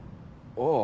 ああ。